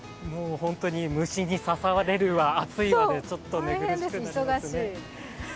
本当に虫に刺されるわ暑いわで、ちょっと寝苦しいですね。